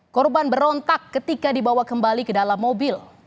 korban berontak ketika dibawa kembali ke dalam mobil